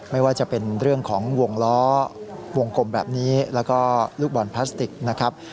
ไม่ว่าจะเป็นเรื่องของวงล้อวงกลมแบบนี้แล้วก็ลูกบอลพลาสติกนะครับ